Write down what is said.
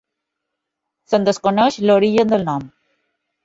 Se'n desconeix l'origen del nom.